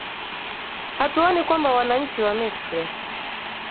hatuoni kwamba wananchi wa misri